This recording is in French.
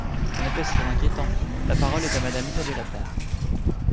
En effet, c’est très inquiétant ! La parole est à Madame Isabelle Attard.